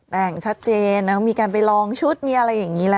แบ่งชัดเจนมีการไปรองชุดเป็นอะไรอย่างนี้ละ